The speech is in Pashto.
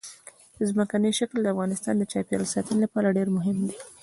ځمکنی شکل د افغانستان د چاپیریال ساتنې لپاره ډېر مهم دي.